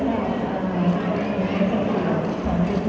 ขอบคุณครับ